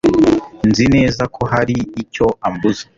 Nzi neza ko hari icyo ambuza